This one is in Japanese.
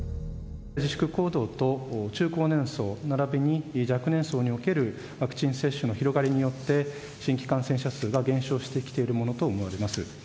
自粛行動と中高年層ならびに若年層におけるワクチン接種の広がりによって、新規感染者数が減少してきているものと思われます。